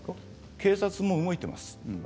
警察も動いています。